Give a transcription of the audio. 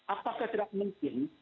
apakah tidak mungkin